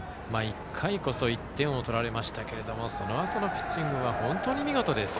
１回こそ１点を取られましたがそのあとのピッチングが本当に見事です。